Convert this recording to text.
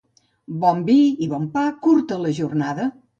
Bon vi i bon pa, curta la jornada.